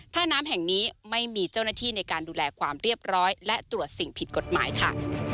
ท่าน้ำแห่งนี้ไม่มีเจ้าหน้าที่ในการดูแลความเรียบร้อยและตรวจสิ่งผิดกฎหมายค่ะ